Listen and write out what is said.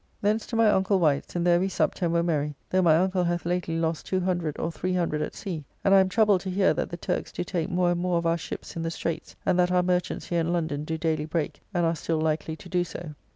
Thence to my uncle Wight's, and there we supped and were merry, though my uncle hath lately lost 200 or 300 at sea, and I am troubled to hear that the Turks do take more and more of our ships in the Straights, and that our merchants here in London do daily break, and are still likely to do so.